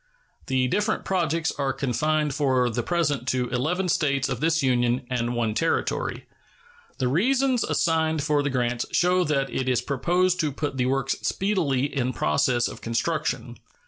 The different projects are confined for the present to eleven States of this Union and one Territory. The reasons assigned for the grants show that it is proposed to put the works speedily in process of construction.